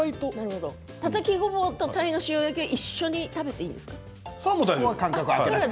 たたきごぼうと鯛の塩焼きは一緒に食べていいんですか。